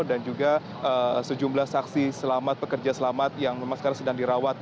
dan juga sejumlah saksi pekerja selamat yang memang sekarang sedang dirawat